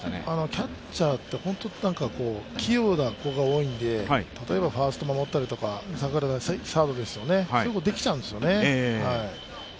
キャッチャーって本当に器用な子が多いので例えばファーストを守ったり、坂倉ですとサードですよね、そういうことができちゃうんですよね。